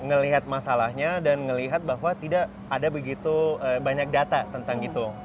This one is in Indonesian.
melihat masalahnya dan melihat bahwa tidak ada begitu banyak data tentang itu